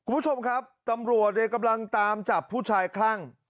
คุณผู้ชมครับตำรวจเนี่ยกำลังตามจับผู้ชายคลั่ง